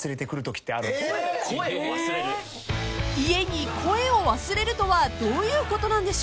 ［家に声を忘れるとはどういうことなんでしょう？］